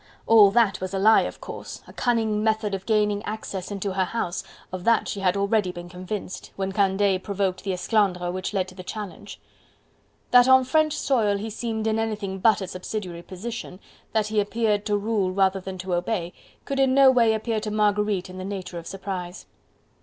all that was a lie, of course, a cunning method of gaining access into her house; of that she had already been convinced, when Candeille provoked the esclandre which led to the challenge. That on French soil he seemed in anything but a subsidiary position, that he appeared to rule rather than to obey, could in no way appear to Marguerite in the nature of surprise.